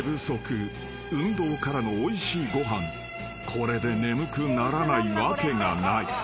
［これで眠くならないわけがない］